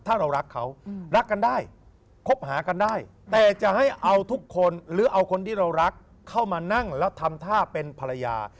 ถ้าเรารักเขารักกันได้คบหากันได้แต่จะให้เอาทุกคนหรือเอาคนที่เรารักเข้ามานั่งแล้วทำท่าเป็นภรรยา